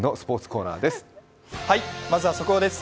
まずは速報です。